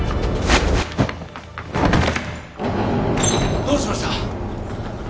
どうしました！？